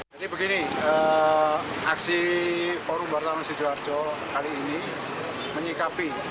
jadi begini aksi forum baratang sidoarjo kali ini menyikapi